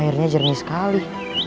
akhirnya jernih sekali